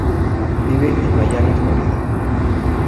Vive en Miami, Florida.